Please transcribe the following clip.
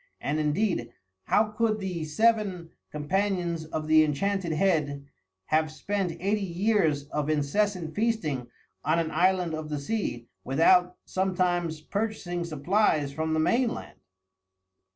And indeed, how could the seven companions of the Enchanted Head have spent eighty years of incessant feasting on an island of the sea, without sometimes purchasing supplies from the mainland?